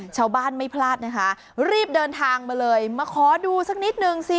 ชาวบ้านไม่พลาดนะคะรีบเดินทางมาเลยมาขอดูสักนิดนึงสิ